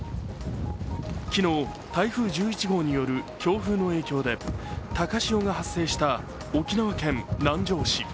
昨日、台風１１号による強風の影響で高潮が発生した沖縄県南城市。